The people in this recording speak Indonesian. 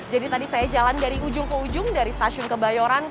jadi tadi saya jalan dari ujung ke ujung dari stasiun kebayoran